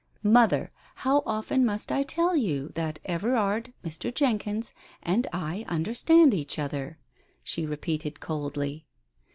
"Mother, how often must I tell you that Everard — Mr. Jenkyns — and I understand each other?" she re peated coldly.